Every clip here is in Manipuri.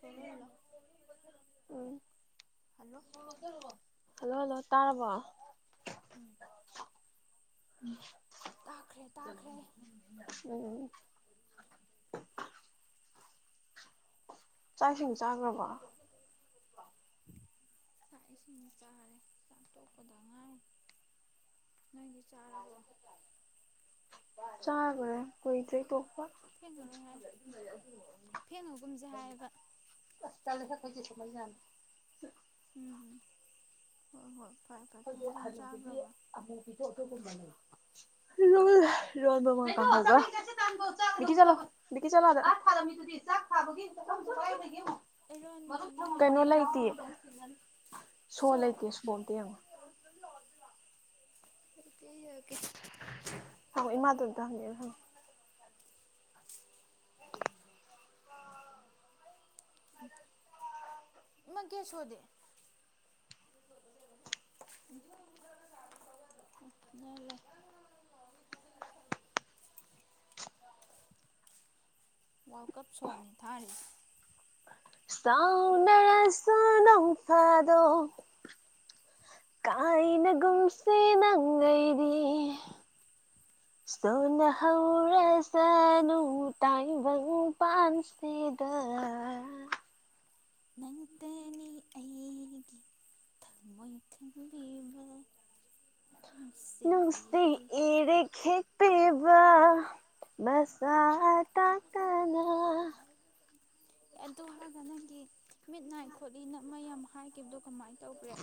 ꯁꯣꯂꯣꯜꯂꯣ ꯎꯝ ꯍꯜꯂꯣ ꯁꯣ ꯂꯣꯟꯖꯜꯂꯨꯔꯣ ꯍꯜꯂꯣ ꯍꯜꯂꯣ ꯇꯥꯔꯕꯣ ꯎꯝ ꯇꯥꯈ꯭ꯔꯦ [inaudible] ꯇꯥꯈ꯭ꯔꯦ ꯎꯝ ꯆꯥꯛ ꯏꯁꯤꯡ ꯆꯥꯈ꯭ꯔꯕꯣ ꯆꯥꯛ ꯏꯁꯤꯡ ꯆꯥꯔꯦ ꯆꯥꯛ ꯇꯣꯛꯄꯗ ꯉꯥꯏꯔꯤ [inaudible] ꯆꯥꯛ ꯀꯨꯢꯗ꯭ꯔꯤ ꯇꯣꯛꯄ ꯐꯦꯡꯉꯔꯣꯏ ꯍꯥꯏ ꯐꯦꯡꯉꯒꯨꯝꯁꯦ ꯍꯥꯏꯌꯦꯕ ꯃꯖ ꯎꯝ ꯍꯣ ꯍꯣꯏ ꯐꯔꯦ ꯐꯔꯦ ꯀꯩ ꯑꯩꯈꯣꯏꯒꯤ ꯏꯟꯖꯥꯡ ꯍꯅꯨꯕꯤꯒꯤ ꯆꯥꯈ꯭ꯔꯕ ꯑꯃꯨꯕꯤꯗꯣ ꯂꯣꯜ ꯏꯔꯣꯟꯕꯒ ꯀꯥꯡꯍꯧꯒ ꯅꯤꯛꯀꯤ ꯆꯠꯂꯣ ꯅꯤꯛꯀꯤ ꯆꯠꯂꯣ ꯑꯥꯗ ꯆꯥꯛ ꯊꯥꯔꯝꯃꯤꯗꯨꯗꯤ ꯆꯥꯛ ꯊꯥꯕꯒꯤ ꯄꯨꯈꯝꯗꯣ ꯀꯥꯢ ꯂꯩ ꯏꯔꯣꯟꯕ ꯑꯃ [inaudible] ꯀꯩꯅꯣ ꯀꯥꯡꯍꯧ ꯂꯩꯇꯤꯌꯦ ꯑꯃ ꯁꯣ ꯂꯩꯇꯦ ꯁꯣ ꯑꯝꯇ ꯌꯦꯡꯉꯣ ꯇꯨꯕꯤꯔꯒꯦ [unintelligible] ꯑꯧ ꯢꯃꯥꯗꯣ ꯑꯝꯇ ꯍꯪꯒꯦ ꯍꯪꯉꯣ ꯃꯥ ꯒꯦꯠ ꯁꯣꯗꯤ [inaudible] ꯋꯥꯔꯜ ꯀꯞ ꯁꯣꯡꯅꯤ ꯊꯥꯔꯤꯖꯦ ꯁꯥꯎꯅꯔꯁꯨ ꯅꯣꯡ ꯎꯨꯡꯐꯥꯗꯣꯛ ꯀꯥꯏꯅꯒꯨꯝꯁꯦ ꯅꯪ ꯑꯩꯗꯤ ꯁꯣꯟꯅꯍꯧꯔꯁꯅꯨ ꯇꯥꯏꯕꯪ ꯄꯥꯟꯁꯤꯗ ꯅꯪ ꯒꯤ ꯑꯩꯒꯤ ꯊꯃꯣꯢ ꯈꯪꯕꯤꯕ ꯅꯨꯡꯁꯤ ꯅꯨꯡꯁꯤꯔꯦ ꯢꯔꯤꯛꯁꯦ ꯄꯤꯕ ꯃꯁꯥ ꯇꯥ ꯇꯅꯥ ꯑꯗꯨ ꯍꯥꯏꯒ ꯅꯪꯒꯤ ꯃꯤꯠ ꯅꯥꯏ ꯈꯣꯠꯂꯤ ꯅ ꯃꯥ ꯌꯥꯝ ꯍꯥꯏꯈꯤꯕꯗꯣ ꯀꯃꯥꯏꯟ ꯇꯧꯈ꯭ꯔꯦ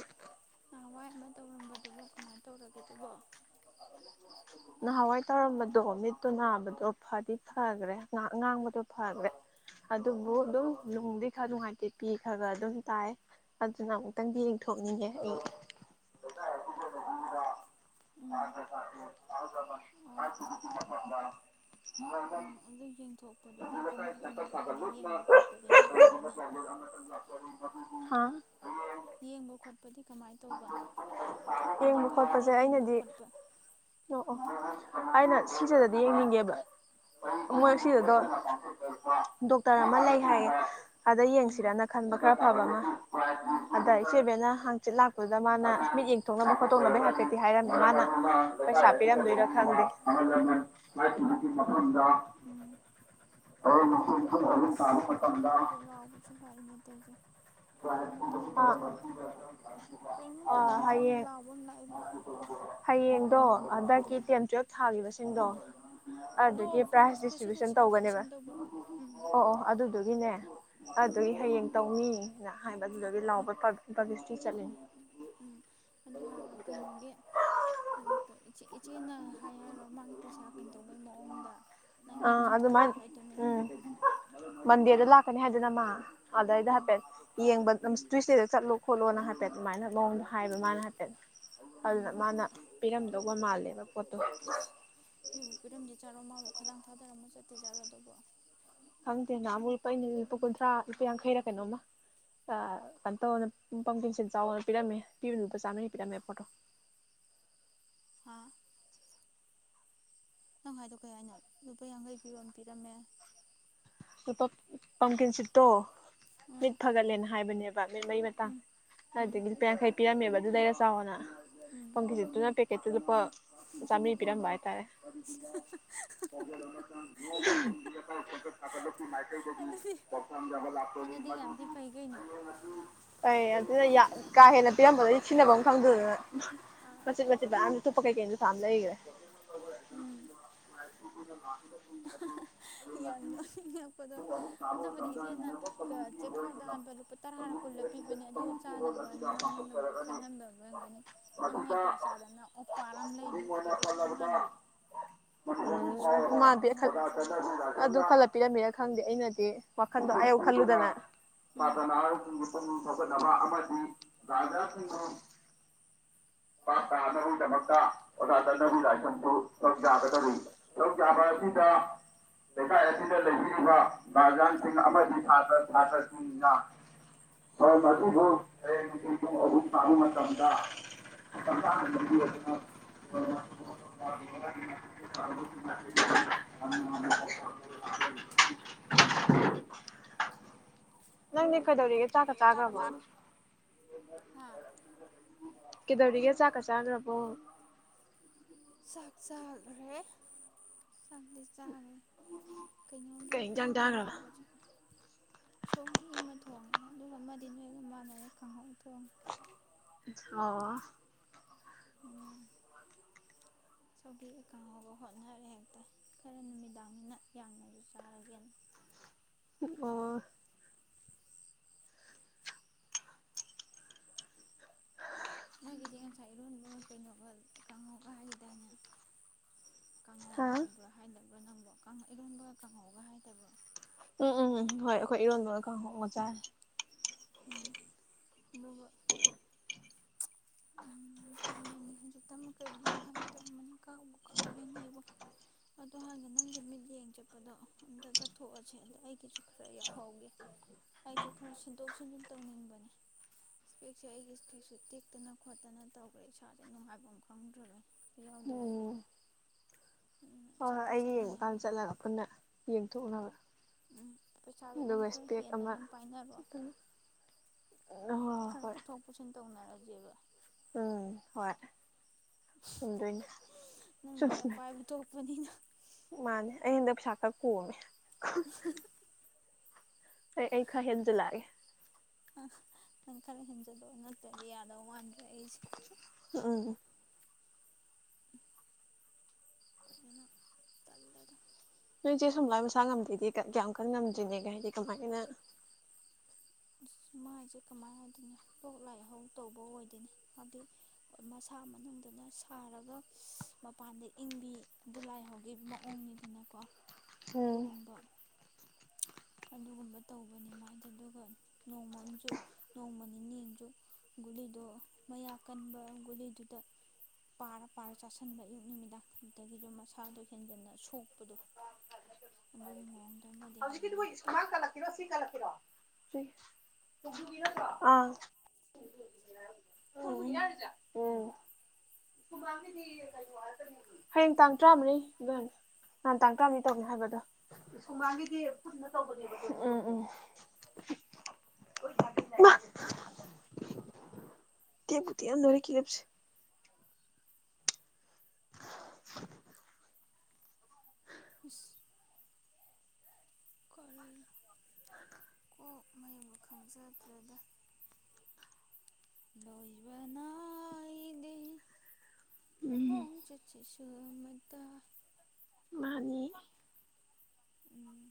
ꯅꯍꯥꯟꯋꯥꯏ ꯑꯃꯥ ꯇꯧꯔꯝꯕꯗꯨꯕꯨ ꯀꯃꯥꯏꯅ ꯇꯧꯔꯒꯦꯗꯨꯕꯣ ꯅꯍꯥꯟꯋꯥꯏ ꯇꯧꯔꯝꯕꯗꯣ ꯃꯤꯠꯇꯣ ꯅꯥꯕꯗꯣ ꯐꯗꯤ ꯐꯈ꯭ꯔꯦ ꯉꯥꯡ ꯉꯥꯡꯕꯗꯣ ꯐꯈ꯭ꯔꯦ ꯑꯗꯨꯕꯨ ꯑꯗꯨꯝ ꯅꯨꯡꯗꯤ ꯈꯥꯔꯥ ꯑꯗꯨꯝ ꯅꯨꯡꯉꯥꯏ ꯇꯤ ꯄꯤ ꯈꯔꯥ ꯈꯔꯥ ꯑꯗꯨꯝ ꯇꯥꯏ ꯑꯗꯨꯅ ꯑꯃꯨꯛꯇꯪꯗꯤ ꯌꯦꯡꯊꯣꯛꯅꯤꯡꯉꯦ ꯑꯩ ꯎꯝ ꯁꯇ꯭ꯔꯥ ꯁꯇ꯭ꯔꯤ ꯑꯥꯍꯟ ꯂꯥꯃꯟ ꯑꯣ ꯈꯋꯥꯢ ꯈꯤꯕꯤꯛꯀꯤ ꯃꯐꯝꯗ ꯅꯤꯡꯉꯣꯝꯕꯝ ꯎꯝ ꯑꯗꯨ ꯌꯦꯡꯊꯣꯛꯄꯗꯨꯗꯤ ꯀꯨꯟꯖꯥ ꯂꯩꯀꯥꯢ ꯀꯃꯥꯏ ꯁꯦꯝꯒꯠ ꯀꯃꯥꯏ ꯁꯥꯒꯠ ꯀꯥꯏꯗ ꯂꯨꯞꯅ ꯌꯦꯡꯕ ꯈꯣꯠꯄꯗꯤ ꯅꯣꯏ ꯀꯩꯒꯨꯝꯕ ꯀꯃꯥꯏꯅ ꯄꯥꯎꯖꯦꯜ ꯑꯃꯥ ꯂꯥꯛꯆꯥꯥꯔꯤ ꯃꯗꯨ [inaudible] ꯍꯥꯥ ꯌꯦꯡꯕ ꯈꯣꯠꯄꯗꯤ ꯀꯃꯥꯏꯅ ꯇꯧꯕ ꯍꯥꯏꯕꯗꯤ ꯌꯦꯡꯕ ꯀꯔꯥꯏꯗ ꯈꯣꯠꯄꯁꯦ ꯌꯦꯡꯕ ꯑꯩꯅꯗꯤ ꯈꯣꯠꯄ ꯑꯣ ꯑꯣ ꯑꯩꯅ ꯁꯤꯖꯥꯗꯗꯤ ꯌꯦꯡꯍꯟꯒꯦꯕ ꯃꯣꯏ ꯎꯝ ꯁꯤꯖꯥꯗꯣ ꯗꯣꯛꯇꯔ ꯑꯃꯥ ꯂꯩ ꯍꯥꯏꯌꯦ ꯑꯗꯥ ꯎꯝ ꯌꯦꯡꯁꯤꯔꯅ ꯈꯟꯕ ꯈꯔꯥ ꯐꯕ ꯑꯃꯥ ꯎꯝ ꯑꯗꯥ ꯏꯆꯦꯕꯦꯅ ꯍꯪ ꯁꯤꯠ ꯂꯥꯛꯄꯗꯨꯗ ꯃꯥꯅ ꯃꯤꯠ ꯌꯦꯡꯊꯣꯛꯅꯕ ꯈꯣꯠꯇꯣꯛꯅꯕꯩ ꯍꯥꯏꯐꯦꯠꯇꯤ ꯍꯥꯏꯔꯝꯃꯤ ꯃꯥꯅ ꯄꯩꯁꯥ ꯎꯝ ꯄꯤꯔꯝꯗꯣꯏꯔꯥ ꯈꯪꯗꯦ ꯃꯥꯢ ꯇꯨꯕꯤꯛꯀꯤ ꯃꯐꯝꯗ ꯎꯝ ꯍꯨꯔꯦꯟ ꯄꯨꯡ ꯑꯍꯨꯝ ꯑꯁ ꯇꯥꯕ ꯃꯥꯊꯝꯗ [inaudible] ꯀꯩꯅꯣꯝꯃꯁꯨ ꯂꯥꯎꯕꯁꯨ ꯂꯥꯛꯏꯅꯦ ꯇꯧꯔꯤꯁꯦ ꯀꯔꯤꯃꯨꯛ ꯑꯥ ꯇꯧꯔꯕꯖꯥꯠꯅꯣ ꯀꯔꯤꯃꯨꯛ ꯑꯥ ꯇꯧꯔꯕꯖꯥꯠꯅꯣ ꯍꯌꯦꯡ ꯂꯥꯎꯕ ꯑꯃ ꯂꯥꯛꯏꯕ ꯍꯌꯦꯡ ꯇꯣ ꯍꯟꯗꯛꯀꯤ ꯇꯦꯟ ꯇꯨꯋ꯭ꯜꯞ ꯊꯥꯈꯤꯕꯁꯦ ꯁꯤꯡꯗꯣ ꯑꯗꯨꯒꯤ ꯑꯣ ꯄ꯭ꯔꯥꯏꯖ ꯗꯤꯁꯇ꯭ꯔꯤꯕ꯭ꯌꯨꯁꯟ ꯇꯧꯒꯅꯦꯕ ꯐꯦꯁꯤꯂꯤꯇꯦꯁꯟ ꯇꯧꯕ ꯎꯝ ꯑꯣ ꯑꯣ ꯑꯗꯨꯗꯨꯒꯤꯅꯦ ꯑꯗꯨꯒꯤ ꯍꯌꯦꯡ ꯇꯧꯅꯤ ꯅ ꯍꯥꯏꯕ ꯑꯗꯨꯗꯒꯤ ꯂꯥꯎꯕ ꯄꯨꯞ ꯄꯨꯞꯕ꯭ꯂꯤꯁꯇꯤ ꯆꯠꯂꯤꯅꯤ ꯎꯝ ꯑꯗꯨ ꯍꯥꯢꯔꯒ ꯀꯩꯅꯣꯒꯤ ꯑꯅꯨꯞꯄ ꯢꯆꯦ ꯢꯠ ꯏꯆꯦꯅ ꯍꯥꯏ ꯍꯥꯏꯔꯣ ꯃꯥꯒꯤ ꯄꯩꯁꯥ ꯀꯩꯇꯧꯕꯩ ꯃꯑꯣꯡꯗ ꯅꯪ ꯌꯦꯡ ꯑꯥ ꯆꯠꯊꯣꯛꯑꯦ ꯑꯗꯨꯃꯥꯢ ꯍꯥꯏ ꯍꯥꯏꯗꯃꯤ ꯎꯝ ꯃꯟꯗꯦꯗ ꯂꯥꯛ ꯐꯅꯤ ꯍꯥꯏꯗꯅ ꯃꯥ ꯑꯗꯩꯗ ꯎꯝ ꯍꯥꯏꯄꯦꯠ ꯌꯦꯡꯕ ꯑꯝ ꯇ꯭ꯋꯤꯁꯗꯦꯗ ꯆꯠꯂꯣ ꯈꯣꯠꯂꯣꯅ ꯍꯥꯏꯐꯦꯠ ꯑꯗꯨꯃꯥꯏꯅ ꯃꯑꯣꯡꯗꯣ ꯍꯥꯏꯕ ꯃꯥꯅ ꯍꯥꯏꯐꯦꯠ ꯑꯗꯨꯅ ꯃꯥꯅ ꯄꯤꯔꯝꯗꯧꯕ ꯃꯥꯜꯂꯦꯕ ꯄꯣꯠꯇꯣ ꯢꯁ ꯄꯤꯕꯨ ꯄꯤꯔꯝꯗꯣꯢꯖꯥꯠꯂꯣ ꯃꯥꯕꯨ ꯈꯥꯗꯥꯥꯡ ꯊꯥ ꯂꯨꯝꯃꯥ ꯆꯠꯇꯣꯢꯖꯠꯂꯣ ꯑꯗꯨꯕꯣ ꯈꯪꯗꯦ ꯅꯍꯥꯟꯃꯨꯛ ꯂꯨꯄꯥ ꯑꯩꯅ ꯂꯨꯄꯥ ꯀꯨꯟꯊ꯭ꯔꯥ ꯂꯨꯄꯥ ꯌꯥꯡꯈꯩꯔ ꯀꯩꯅꯣꯝꯃ ꯑꯥ ꯀꯩꯅꯣ ꯇꯧꯋꯣꯅ ꯄꯝꯀꯤꯟꯁꯤꯠ ꯆꯥꯎꯣꯅ ꯄꯤꯔꯝꯃꯦ ꯄꯤꯕꯅ ꯂꯨꯄꯥ ꯆꯥꯃꯔꯤ ꯄꯤꯔꯝꯃꯦ ꯄꯣꯠꯇꯣ ꯍꯥ ꯅꯪ ꯍꯥꯏꯗꯣ ꯀꯩ ꯍꯥꯏꯅꯣ ꯂꯨꯄꯥ ꯌꯥꯡꯈꯩ ꯄꯤꯔꯣꯅ ꯄꯤꯔꯝꯃꯦ ꯂꯨꯄꯥ ꯄꯝꯀꯤꯟꯁꯤꯠꯇꯣ ꯎꯝ ꯃꯤꯠ ꯐꯒꯠꯂꯦꯅ ꯍꯥꯏꯕꯅꯦꯕ ꯕ ꯃꯤꯠ ꯃꯔꯤ ꯃꯇꯥ ꯎꯝ ꯎꯝ ꯍꯥꯏꯗꯤ ꯂꯨꯄꯥ ꯌꯥꯡꯈꯩ ꯄꯤꯔꯝꯃꯦꯕ ꯑꯗꯨ ꯂꯩꯔ ꯆꯥ ꯆꯥꯎꯅ ꯎꯝ ꯄꯝꯀꯤꯟꯁꯤꯠꯇꯨꯅ ꯄꯦꯛꯀꯦꯠ ꯂꯨꯄꯥ ꯆꯥꯝꯃꯔꯤ ꯄꯤꯔꯝꯕ ꯍꯥꯏꯇꯥꯔꯦ [unintelligible] ꯁꯥꯇ꯭ꯔꯥ ꯂꯨꯞꯀꯤ ꯃꯥꯏꯀꯩꯗꯒꯤ ꯑꯗꯨꯗꯤ ꯄꯥꯎꯊꯥꯡꯖꯕ ꯂꯥꯛꯆꯔꯤ ꯑꯗꯨꯗꯤ ꯌꯥꯝ ꯊꯤ ꯃꯗꯨꯗꯤ ꯐꯩ ꯀꯩꯅꯣ ꯍꯌꯦꯡ ꯑꯁꯤ [unintelligible] ꯀꯥ ꯍꯦꯟꯅ ꯄꯤꯔꯝꯕꯗ ꯁꯤꯅꯕꯝ ꯈꯪꯗꯗꯅ ꯑ ꯃꯆꯤꯠ ꯃꯆꯤꯠ ꯕꯌꯥꯝꯁꯨ ꯊꯨꯄꯄ ꯀꯥꯩ ꯀꯩꯅꯣ ꯌꯥꯝ ꯂꯩꯒ꯭ꯔꯦ ꯎꯝ [unintelligible] ꯌꯥꯝꯅ ꯍꯦꯛꯄꯗꯥ ꯁꯥꯕ ꯑꯗꯨꯕꯨꯗꯤ ꯃꯇꯝꯗ ꯏꯆꯦꯅ ꯃꯦꯝꯕꯔ ꯀ ꯀꯝꯃꯨꯅꯤꯇꯤ ꯍꯣꯜꯒꯤ ꯆꯦꯛꯈꯥꯎꯗ ꯍꯥꯟꯕ ꯂꯨꯄꯥ ꯇꯔꯥꯔ ꯀꯝꯃꯨꯅꯤꯇꯤ ꯀꯨꯜꯂ ꯑꯁꯤꯗ ꯄꯤꯕꯅꯦ ꯑꯗꯨ ꯀꯝꯃꯨꯅꯤꯇꯤ ꯍꯣꯜ ꯆꯥꯅꯕ ꯑꯁꯤꯗ ꯅꯪꯉꯣꯟꯗꯕꯨ ꯄꯥꯡꯊꯣꯛꯆꯔꯒꯅꯤ ꯈꯟꯍꯟꯕ ꯉꯝꯒꯅꯤ ꯅꯪꯅ ꯃꯁꯤꯗ ꯍꯩꯄꯥ ꯆꯥꯗꯅ ꯑꯣꯄꯥꯔ ꯑꯃ ꯂꯩꯕꯤ ꯃꯤꯡ ꯑꯣꯏꯅ ꯄꯦꯀꯦꯠ ꯃꯌꯥꯝ ꯄꯜꯂꯕꯗ ꯍꯥꯟꯕꯤ ꯑꯗꯨꯒꯤ ꯁꯣꯏꯕ ꯎꯝ ꯃꯥ ꯑꯣꯔꯝꯃꯅꯤ ꯑꯗꯨ ꯈꯂ ꯄꯤꯔꯝꯃꯦꯔ ꯈꯪꯗꯦ ꯑꯩꯅꯗꯤ ꯋꯥꯈꯟꯗꯣ ꯑꯌꯧ ꯈꯜꯂꯨꯗꯅ ꯎꯝ ꯄꯇꯅ ꯄꯨꯛꯅꯤꯡ ꯊꯧꯒꯠꯅꯕ ꯑꯃ ꯒꯤ ꯒꯥꯔꯖꯤꯌꯥꯟꯕꯨ ꯄꯥꯛ ꯇꯥꯅꯕꯒꯤꯗꯃꯛꯇ ꯑꯣꯖꯥ ꯘꯥꯅꯕꯤꯔ ꯂꯥꯢꯁ꯭ꯔꯝꯕꯨ ꯁꯔꯨꯛ ꯌꯥꯒꯗꯧꯅꯤ ꯁꯔꯨꯛ ꯌꯥꯕ ꯑꯁꯤꯗ ꯂꯩ ꯑꯁꯤꯗ ꯂꯩꯕꯤꯔꯤꯕ ꯒꯥꯔꯖꯤꯌꯥꯟꯁꯤꯡ ꯑꯃꯗꯤ ꯁꯥꯇ꯭ꯔ ꯁꯥꯇ꯭ꯔꯁꯤꯡꯅ ꯊꯧꯔꯝ ꯑꯗꯨꯕꯨ ꯍꯌꯦꯡ ꯅꯨꯡꯊꯤꯟ ꯄꯨꯡ ꯑꯍꯨꯝ ꯇꯥꯕ ꯃꯇꯝꯗ ꯃꯇꯝ ꯆꯥꯅ ꯂꯦꯡꯕꯤꯔꯛꯇꯨꯅ [unintelligible] [unintelligible] ꯅꯪꯗꯤ ꯀꯩꯗꯧꯔꯤꯒꯦ ꯆꯥꯛ ꯆꯥꯈ꯭ꯔꯕ ꯍꯥ ꯀꯩꯗꯧꯔꯤꯒꯦ ꯆꯥꯛ ꯆꯥꯛ ꯆꯥꯗ꯭ꯔꯕꯣ ꯆꯥꯛ ꯆꯥꯈ꯭ꯔꯦ ꯆꯥꯛꯇꯤ ꯆꯥꯈ꯭ꯔꯦ ꯀꯩꯅꯣꯒꯤ ꯀꯩ ꯏꯟꯖꯥꯡ ꯀꯟꯅ ꯆꯥꯈ꯭ꯔꯕ ꯂꯥꯎꯕꯁ ꯁꯣꯒ꯭ꯔꯤ ꯑꯃ ꯊꯣꯡꯉꯦ ꯑꯗꯨꯒ ꯑꯃꯗꯤ ꯅꯣꯏꯒ ꯃꯥꯅꯔꯦ ꯈꯪꯍꯧ ꯊꯣꯡꯉꯦ ꯑꯣ ꯎꯝ ꯁꯧꯒꯤꯒ ꯀꯥꯡꯍꯧꯒ ꯍꯣꯠꯅꯔꯦ ꯍꯦꯛꯇ ꯈꯔ ꯅꯨꯃꯤꯗꯥꯡꯅꯤꯅ ꯌꯥꯝꯅꯖꯨ ꯆꯥꯔꯒꯦꯅ ꯑꯣ ꯑꯣ ꯅꯣꯏꯒꯤꯗꯤ ꯉꯁꯥꯏ ꯏꯔꯣꯟꯕ ꯀꯩꯅꯣꯒ ꯀꯥꯡꯍꯧꯒ ꯍꯥꯏꯒꯤꯗꯥꯏꯅꯦ ꯀꯥꯡꯪꯍꯧ ꯍꯥ ꯍꯥꯏꯕ꯭ꯔꯣ ꯍꯥꯏꯗꯕ ꯅꯪꯕꯣ ꯀꯥꯡ ꯏꯔꯣꯟꯕꯒ ꯀꯥꯡꯍꯧꯒ ꯍꯥꯏꯗꯕ꯭ꯔꯣ ꯎꯝ ꯎꯝ ꯎꯝ ꯍꯣꯏ ꯑꯩꯈꯣꯏ ꯏꯔꯣꯟꯕ ꯀꯥꯡ ꯍꯧꯒ ꯆꯥꯔꯦ ꯎꯝ ꯅꯨꯡ ꯀꯩꯅꯣ ꯍꯧꯖꯤꯛꯇꯃꯛ ꯀꯔꯤꯅꯣꯝ ꯍꯥꯏꯒꯦ ꯇꯧꯔꯝꯃꯅꯤ ꯀꯥꯎ ꯀꯥꯎꯍꯧꯔꯦꯅꯦ ꯑꯩꯕꯨ ꯑꯗꯨ ꯍꯥꯟꯅ ꯅꯪꯒꯤ ꯃꯤꯠ ꯌꯦꯡ ꯆꯠꯄꯗꯣ ꯑꯝꯇ ꯆꯠꯊꯣꯛꯑꯁꯦ ꯑꯗꯣ ꯑꯩꯒꯤꯖꯨ ꯈꯔ ꯌꯥꯎꯍꯧꯒꯦ ꯑꯩꯖꯨ ꯈꯔ ꯁꯤꯟꯇꯣꯛ ꯁꯤꯟꯖꯤꯟ ꯇꯧꯅꯤꯡꯕꯅꯦ ꯁ꯭ꯄꯦꯛꯁꯦ ꯑꯩꯒꯤ ꯁ꯭ꯄꯦꯛꯁꯨ ꯇꯦꯛꯇꯅ ꯈꯣꯠꯇꯅ ꯇꯧꯒ꯭ꯔꯦ ꯏꯁꯥꯖꯦ ꯅꯨꯡꯉꯥꯏꯕꯝ ꯈꯪꯗ꯭ꯔꯕꯅꯦ ꯑꯣ ꯑꯣ ꯎꯝ ꯍꯣꯏ ꯍꯣꯏ ꯆꯠꯇꯤ ꯑꯩꯒꯤ ꯆꯠꯅꯤꯡꯉꯤꯕꯅꯤ ꯌꯦꯡꯉꯀꯥꯟꯗ ꯆꯠꯂꯒ ꯄꯨꯟꯅ ꯌꯦꯡꯊꯣꯛꯅꯕ ꯎꯝ ꯄꯩꯁꯥꯗꯣ ꯅꯪ ꯑꯗꯨꯒ ꯈꯔ ꯏꯁꯄꯦꯛ ꯍꯦꯟꯅ ꯑꯃ ꯑꯗꯨꯝ ꯄꯥꯏꯅꯔꯣ ꯍꯣꯏ ꯍꯣꯏ ꯈꯔ ꯍꯣꯏ ꯄꯨꯊꯣꯛ ꯄꯨꯁꯤꯟ ꯇꯧꯅꯔ ꯒꯦꯕ ꯎꯝ ꯍꯣꯏ ꯆꯨꯝꯗꯣꯏꯅꯦ ꯆ ꯅꯪꯅ ꯁ ꯈꯔ ꯄꯥꯏꯕ ꯊꯣꯛꯄꯅꯤꯅ ꯃꯥꯅꯦ ꯑꯩ ꯍꯟꯗꯛ ꯄꯩꯁꯥ [unintelligible] [inaudible] ꯑꯩ ꯑꯩ ꯈ ꯍꯦꯟꯖꯟ ꯂꯥꯛꯑꯒꯦ ꯑ ꯅꯪ ꯈꯔ ꯍꯦꯟꯖꯤꯟꯂꯣ ꯅꯠꯇ꯭ꯔꯗꯤ ꯌꯥꯗꯧ ꯃꯥꯟꯗ꯭ꯔꯦ ꯑꯩꯁꯦ ꯎꯝ ꯖꯅ ꯇꯜꯂꯦꯗ ꯅꯣꯏꯁꯦ ꯁꯨꯝꯒꯥꯟ ꯃꯁꯥ ꯉꯝꯗꯦꯗꯤ ꯀ ꯀꯌꯥꯝ ꯀꯟ ꯉꯝꯗ꯭ꯔꯤꯅꯦꯒ ꯍꯥꯏꯗꯤ ꯀꯃꯥꯏꯅ ꯑ ꯃꯥꯏꯁꯦ ꯀꯃꯥꯏ ꯍꯥꯏꯗꯣꯏꯅꯣ ꯂꯣꯛ ꯂꯥꯏꯍꯧ ꯇꯧꯕ ꯑꯣꯏꯗꯣꯏꯅꯦ ꯍꯥꯏꯗꯤ ꯃꯁꯥ ꯃꯅꯨꯡꯗꯅ ꯁꯥꯔꯒ ꯏ꯭ꯁ ꯃꯄꯥꯟꯗ ꯏꯪꯕꯤ ꯗꯨ ꯂꯥꯏꯍꯧꯒꯤ ꯃꯑꯣꯡꯅꯤꯗꯅꯀꯣ ꯎꯝ ꯑꯗꯨꯒꯨꯝꯕ ꯑꯗꯨꯒꯨꯝꯕ ꯇꯧꯕꯅꯤ ꯃꯥꯏꯖꯦ ꯑꯗꯨꯒ ꯅꯣꯡꯃꯝꯁꯨ ꯅꯣꯡꯃ ꯅꯤꯅꯦ ꯑꯝꯁꯨ ꯒꯨꯂꯤꯗꯣ ꯃꯌꯥꯛ ꯀꯟꯕ ꯒꯨꯂꯤꯗꯨꯗ ꯄꯥꯔ ꯄꯥꯔ ꯆꯥꯥꯁꯟꯕ ꯑꯌꯨꯛ ꯅꯨꯃꯤꯗꯥꯡ ꯑꯗꯨꯗꯒꯤꯁꯨ ꯃꯁꯥꯗꯣ ꯍꯦꯟꯖꯟꯅ ꯁꯣꯛꯄꯗꯣ ꯑꯗꯨꯒꯤ ꯃꯑꯣꯡ ꯍꯧꯖꯤꯛꯀꯤ ꯗꯨꯕꯨ ꯁꯀ [unintelligible] ꯍꯤꯃꯥ ꯇꯦꯛꯄꯨ ꯇꯦꯛꯑꯝꯗꯣꯔꯦ ꯀꯂꯤꯞ ꯁꯤ [inaudible] ꯏꯁ ꯀꯔꯤꯅꯣ ꯀꯣꯛ ꯃꯌꯨꯝ ꯈꯪꯖ꯭ꯔꯗꯦꯗ ꯂꯣꯏꯕ ꯅꯥꯏꯗꯦ ꯎꯝ ꯈꯣꯡꯆꯠꯁꯤꯁꯨ ꯑꯃꯇ ꯃꯥꯅꯤ ꯎꯝ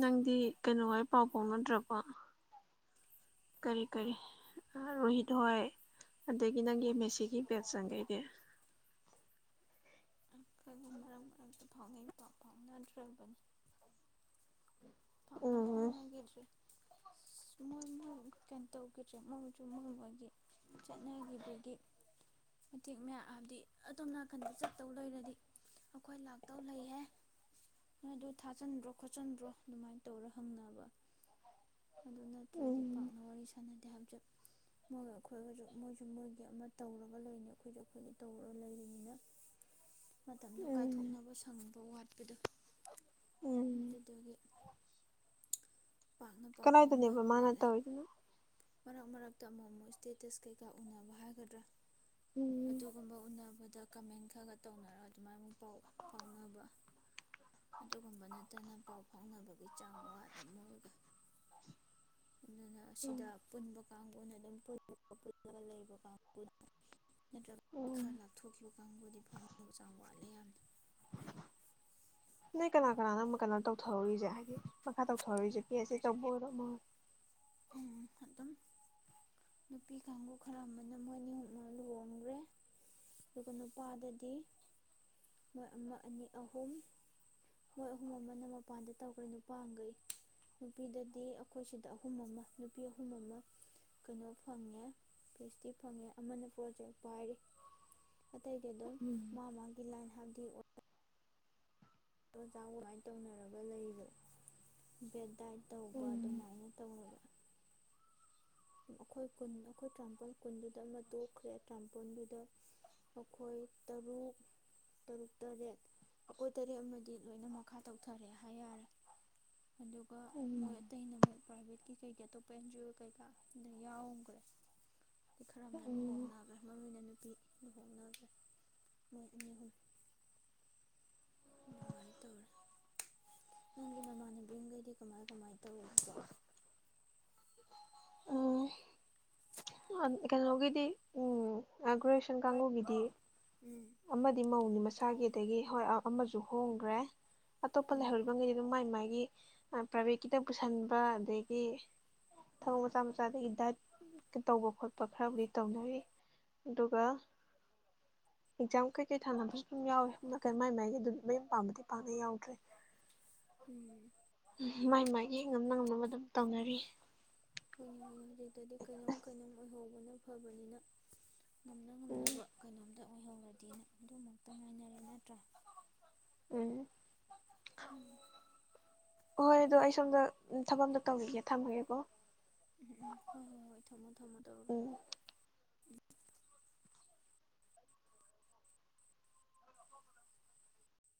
ꯅꯪꯗꯤ ꯀꯩꯅꯣ ꯍꯣꯏ ꯄꯥꯎ ꯐꯥꯎꯅꯗ꯭ꯔꯕꯣ ꯀꯔꯤ ꯀꯔꯤ ꯑꯥ ꯔꯣꯍꯤꯠ ꯍꯣꯏ ꯑꯗꯒꯤ ꯅꯪꯒꯤ ꯃꯦꯁꯤꯒꯤ ꯕꯦꯠꯁ ꯆꯪꯒꯩꯗꯤ [unintelligible] ꯄꯥꯛꯅ ꯎꯝ ꯐꯥꯎꯅꯒꯤꯗ꯭ꯔꯦ ꯁ ꯃꯣꯏ ꯃꯣꯏ ꯒꯗ ꯀꯩꯅꯣ ꯇꯧꯈꯤꯗ꯭ꯔꯦ ꯃꯣꯏꯁꯨ ꯃꯣꯏ ꯃꯣꯏꯒꯤ ꯆꯠꯅꯒꯤꯕꯒꯤ ꯃꯇꯦꯛ ꯃꯌꯥꯝ ꯍꯥꯏꯕꯗꯤ ꯑꯗꯣꯝ ꯅꯥꯀꯟꯗ ꯆꯠꯇꯧ ꯂꯩꯔꯗꯤ ꯑꯩꯈꯣꯏ ꯂꯥꯛꯇꯧ ꯂꯩꯍꯦ ꯅꯣꯏ ꯑꯗꯨ ꯊꯥꯖꯟꯕ꯭ꯔꯣ ꯈꯣꯠꯆꯟꯕ꯭ꯔꯣ ꯑꯗꯨꯃꯥꯏꯅ ꯇꯧꯔ ꯍꯪꯅꯕ [unintelligible] ꯃꯣꯏꯒ ꯎꯝ ꯑꯩꯈꯣꯏꯒꯁꯨ ꯃꯣꯏꯁꯨ ꯃꯣꯏꯒꯤ ꯑꯃ ꯇꯧꯔꯒ ꯂꯩꯅꯤ ꯑꯩꯈꯣꯏꯁꯨ ꯑꯩꯈꯣꯏꯒꯤ ꯇꯧꯔꯒ ꯂꯩꯔꯤꯅꯤꯝꯅ ꯃꯇꯝꯗꯣ ꯎꯝ ꯀꯥꯏꯊꯣꯛꯅꯕ ꯁꯪꯕ ꯋꯥꯠ ꯑꯗꯨꯛ ꯎꯝ ꯑꯗꯨꯗꯨꯒꯤ ꯄꯥꯛꯅ ꯄꯥꯎ ꯀꯗꯥꯏꯗꯅꯦꯕ ꯐꯥꯎꯅꯕ ꯃꯥꯅ ꯋꯥꯠꯂꯦ ꯇꯧꯔꯤꯗꯨꯅ ꯃꯔꯛ ꯃꯔꯛꯇ ꯑꯃꯨꯛ ꯑꯃꯨꯛ ꯏꯁꯇꯦꯇꯁ ꯀꯩꯀꯥ ꯎꯅꯕ ꯍꯥꯏꯒꯗ꯭ꯔꯥ ꯎꯝ ꯑꯗꯨꯒꯨꯝꯕ ꯎꯅꯕꯗ ꯀꯃꯦꯟ ꯈꯔ ꯈꯔꯒ ꯇꯧꯅꯔꯒ ꯑꯗꯨꯃꯥꯏ ꯑꯃꯨꯛ ꯄꯥꯎ ꯐꯥꯎꯅꯕ ꯑꯗꯨꯒꯨꯝꯕ ꯅꯠꯇꯅ ꯄꯥꯎ ꯐꯥꯎꯅꯕꯒꯤ ꯆꯥꯡ ꯋꯥꯠꯂꯤ ꯃꯣꯏ ꯑꯗꯨꯅ ꯎꯝ ꯑꯁꯤꯗ ꯄꯨꯨꯟꯕ ꯀꯥꯡꯕꯨꯅ ꯑꯗꯨꯝ ꯄꯨꯜꯂꯒ ꯂꯩꯕ ꯀꯥꯡꯕꯨ ꯅꯠꯇ꯭ꯔꯒꯗꯤ ꯎꯝ ꯈꯔ ꯂꯥꯞꯊꯣꯛꯈꯤꯕ ꯀꯥꯡꯕꯨꯗꯤ ꯐꯥꯎꯅꯕꯒꯤ ꯆꯥꯡ ꯌꯥꯝ ꯋꯥꯠꯂꯤ ꯌꯥꯝ ꯅꯣꯏ ꯀꯅꯥ ꯀꯅꯥꯅꯪ ꯀꯩꯅꯣ ꯇꯧꯊꯍꯧꯔꯤꯁꯦ ꯍꯥꯏꯗꯤ ꯃꯈꯥ ꯇꯧꯊꯍꯧꯔꯤꯁꯦ ꯄꯤ ꯑꯩꯆ ꯗꯤ ꯇꯧꯕ ꯑꯣꯏꯔꯣ ꯑꯃ ꯎꯝ ꯑꯗꯨꯝ ꯅꯨꯄꯤ ꯀꯥꯡꯕꯨ ꯈꯔ ꯑꯃꯅ ꯃꯣꯏ ꯅꯤ ꯍꯨꯝꯃ ꯂꯨꯍꯣꯡꯈ꯭ꯔꯦ ꯑꯗꯨꯒ ꯅꯨꯄꯥꯗꯗꯤ ꯃꯣꯏ ꯑꯃ ꯑꯅꯤ ꯑꯍꯨꯝ ꯃꯣꯏ ꯑꯍꯨꯝ ꯑꯃꯅ ꯃꯄꯥꯟꯗ ꯇꯧꯈ꯭ꯔꯦ ꯅꯨꯄꯥꯒꯩ ꯅꯨꯄꯤꯗꯗꯤ ꯑꯩꯈꯣꯏ ꯁꯤꯗ ꯑꯍꯨꯝ ꯑꯃ ꯅꯨꯄꯤ ꯑꯍꯨꯝ ꯑꯃ ꯀꯩꯅꯣ ꯐꯪꯉꯦ ꯄꯤ ꯑꯩꯆ ꯗꯤ ꯐꯪꯉꯦ ꯑꯃꯅ ꯄ꯭ꯔꯣꯖꯦꯛ ꯄꯥꯏꯔꯤ ꯑꯇꯩꯗꯤ ꯑꯗꯨꯝ ꯎꯝ ꯃꯥ ꯃꯥꯒꯤ ꯂꯥꯏꯟ ꯍꯥꯏ ꯃꯤ ꯑꯣꯠ ꯑꯣꯖꯥ ꯃꯥꯏꯅ ꯇꯧꯅꯔꯒ ꯂꯩꯕ ꯕꯦꯠ ꯗꯥꯏꯠ ꯇꯧꯕ ꯎꯝ ꯑꯗꯨꯃꯥꯏꯅ ꯇꯧꯅꯕ ꯑꯩꯈꯣꯏ ꯀꯨꯟ ꯑꯩꯈꯣꯏ ꯇꯔꯥꯃꯥꯄꯜ ꯀꯨꯟꯗꯨꯗ ꯑꯃ ꯇꯣꯛꯈ꯭ꯔꯦ ꯇꯔꯥꯃꯥꯄꯜꯗꯨꯗ ꯑꯩꯈꯣꯏ ꯇꯔꯨꯛ ꯇꯔꯨꯛ ꯇꯔꯦꯠ ꯑꯩꯈꯣꯏ ꯇꯔꯦꯠ ꯑꯃꯗꯤ ꯂꯣꯏꯅ ꯃꯈꯥ ꯇꯧꯊꯔꯦ ꯍꯥꯏ ꯌꯥꯔꯦ ꯑꯗꯨꯒ ꯎꯝ ꯃꯣꯏ ꯑꯇꯩꯅ ꯑꯃꯨꯛ ꯄ꯭ꯔꯥꯏꯚꯦꯠꯀꯤ ꯀꯩꯒꯤ ꯑꯇꯣꯞꯄ ꯑꯦꯟ ꯖꯤ ꯑꯣ ꯀꯩꯀꯥ ꯌꯥꯎꯒ꯭ꯔꯦ ꯈꯔꯃꯅ ꯎꯝ ꯂꯨꯍꯣꯡꯅꯒ꯭ꯔꯦ ꯃꯔꯨ ꯑꯣꯏꯅ ꯅꯨꯄꯤ ꯅꯒꯦ ꯃꯣꯏ ꯑꯍꯨꯝ [unintelligible] ꯑꯗꯨꯃꯥꯏꯅ ꯇꯧꯔꯦ ꯅꯪꯒꯤ ꯅꯃꯥꯟꯅꯕꯤꯈꯩꯗꯤ ꯀꯃꯥꯏ ꯀꯃꯥꯏ ꯇꯧꯕ ꯑ ꯀꯩꯅꯣ ꯒꯤꯗꯤ ꯎꯝ ꯒ꯭ꯔꯦꯖꯨꯑꯦꯁꯟ ꯀꯥꯡꯕꯨꯒꯤꯗꯤ ꯎꯝ ꯑꯃꯗꯤ ꯃꯧꯅꯤ ꯃꯁꯥꯒꯤ ꯎꯝ ꯑꯗꯒꯤ ꯍꯣꯏ ꯑꯃꯁꯨ ꯍꯣꯡꯒ꯭ꯔꯦ ꯑꯇꯣꯞꯄ ꯂꯩꯍꯧꯔꯤꯕꯈꯩꯗꯤ ꯑꯗꯨꯝ ꯃꯥꯏ ꯃꯥꯏ ꯑꯗꯒꯤ ꯄ꯭ꯔꯥꯏꯚꯦꯠ ꯀꯤꯗ ꯄꯨꯁꯤꯟꯕ ꯑꯗꯒꯤ ꯊꯕꯛ ꯃꯆꯥ ꯃꯆꯥꯗꯒꯤ ꯗꯥꯏꯠ ꯇꯧꯕ ꯈꯣꯠꯄ ꯈꯔꯕꯨꯗꯤ ꯇꯧꯅꯔꯤ ꯑꯗꯨꯒ ꯑꯦꯛꯖꯥꯝ ꯀꯩꯀꯩ ꯊꯥꯅꯕꯁꯨ ꯑꯗꯨꯝ ꯌꯥꯎꯋꯤ ꯅꯥꯠꯇ꯭ꯔꯥꯒ ꯃꯥꯏ ꯃꯥꯏꯒꯤ ꯑꯗꯨꯝ ꯃꯌꯨꯝ ꯄꯥꯟꯕꯗꯤ ꯄꯥꯛꯅ ꯌꯥꯎꯗ꯭ꯔꯦ ꯎꯝ ꯃꯥꯏ ꯃꯥꯥꯏꯒꯤ ꯉꯝꯅ ꯉꯝꯅꯕ ꯑꯗꯨꯝ ꯇꯧꯅꯔꯤ ꯍꯣꯏ ꯍꯣꯏ ꯍꯧꯖꯤꯛꯇꯗꯤ ꯀꯩꯅꯣ ꯀꯩꯅꯣꯝ ꯑꯣꯏꯍꯧꯕꯅ ꯐꯕꯅꯤꯅ ꯎꯝ ꯉꯝꯅꯕ ꯀꯩꯅꯣꯝꯇ ꯑꯣꯏꯍꯧꯔꯗꯤꯅ ꯑꯗꯨꯃꯛꯇꯪ ꯉꯥꯏꯅꯔꯦ ꯅꯠꯇ꯭ꯔꯥ ꯎꯝ ꯎꯝ [inaudible] ꯍꯣꯏ ꯑꯗꯣ ꯑꯩ ꯁꯣꯝꯗ ꯊꯕꯛ ꯑꯝꯗ ꯇꯧꯒꯤꯒꯦ ꯊꯝꯃꯒꯦꯀꯣ ꯎꯝ ꯎꯝ ꯍꯣꯏ ꯍꯣꯏ ꯍꯣꯏ ꯊꯝꯃꯣ ꯊꯝꯃꯣ ꯇꯧꯔꯣ ꯎꯝ